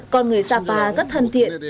còn người sapa rất thân thiện